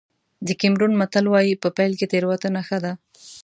د کېمرون متل وایي په پيل کې تېروتنه ښه ده.